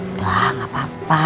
udah gak apa apa